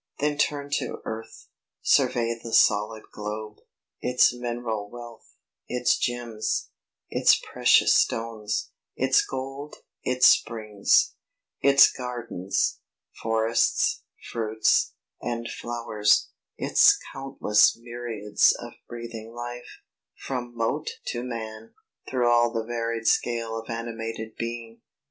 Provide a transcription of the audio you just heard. Then turn to earth, Survey the solid globe, its mineral wealth, Its gems, its precious stones, its gold, its springs; Its gardens, forests, fruits, and flowers; Its countless myriads of breathing life, From Mote to Man, through all the varied scale Of animated being.